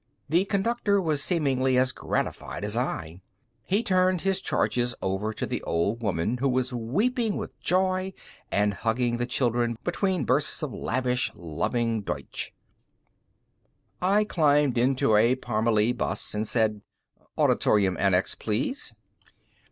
The Conductor was seemingly as gratified as I. He turned his charges over to the old woman, who was weeping for joy, and hugging the children between bursts of lavish, loving Deutsch. I climbed into a Parmelee bus and said, "Auditorium Annex, please."